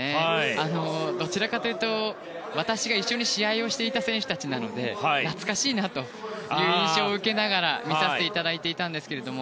どちらかというと私が一緒に試合をしていた選手たちなので懐かしいなという印象を受けながら見させていただいていたんですけれども。